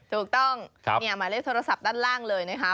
ถูกต้องหมายเลขโทรศัพท์ด้านล่างเลยนะครับ